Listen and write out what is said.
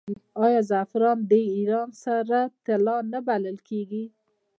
آیا زعفران د ایران سره طلا نه بلل کیږي؟